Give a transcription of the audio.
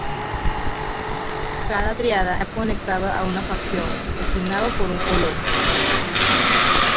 Cada tríada está conectado a una facción, designado por un color.